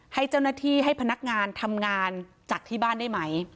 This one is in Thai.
ให้เจ้าหน้าที่ให้พนักงานทำงานจากที่บ้านได้ไหม